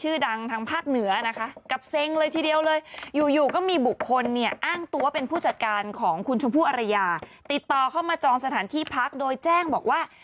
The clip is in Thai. ดังทางภาคเหนือนะคะกับเซ็งเลยทีเดียวเลยอยู่อยู่ก็มีบุคคลเนี่ยอ้างตัวเป็นผู้จัดการของคุณชมพู่อรยาติดต่อเข้ามาจองสถานที่พักโดยแจ้งบอกว่า